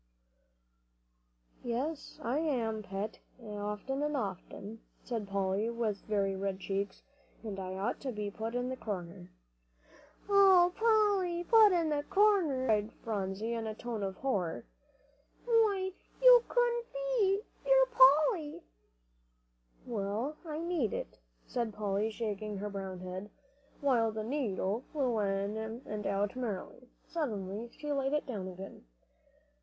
"Yes I am, Pet, often and often," said Polly, with very red cheeks, "and I ought to be put in the corner." "Oh, Polly, put in the corner!" cried Phronsie, in a tone of horror. "Why, you couldn't be. You're Polly!" "Well, I need it," said Polly, shaking her brown head, while the needle flew in and out merrily. Suddenly she laid it down.